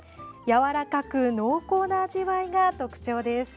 やわらかく濃厚な味わいが特徴です。